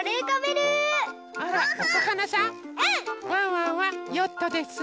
ワンワンはヨットです。